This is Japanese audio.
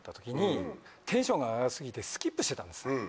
テンションが上がり過ぎてスキップしてたんです。